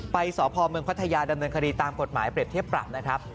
สพเมืองพัทยาดำเนินคดีตามกฎหมายเปรียบเทียบปรับนะครับ